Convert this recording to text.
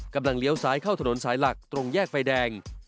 เลี้ยวซ้ายเข้าถนนสายหลักตรงแยกไฟแดง